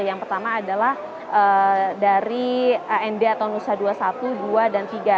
yang pertama adalah dari nd atau nusa dua satu dua dan tiga